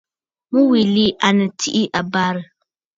Mû wilì à nɨ tsiʼ ì àbə̀rə̀.